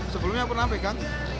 sebelumnya pernah pegang